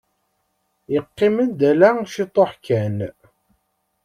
Yeqqim-d ala ciṭuḥ kan.